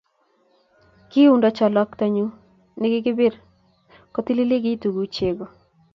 Kiundo cholwoktonyu negibir kotgolelagitu ku chego